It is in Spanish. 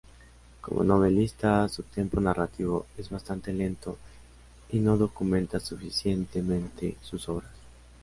Como novelista su tempo narrativo es bastante lento y no documenta suficientemente sus obras.